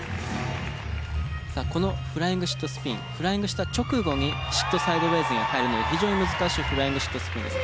さあこのフライングシットスピンフライングした直後にシットサイドウェイズに入るので非常に難しいフライングシットスピンです。